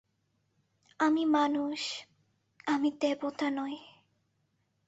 আমি মানুষ, আমি দেবতা নই।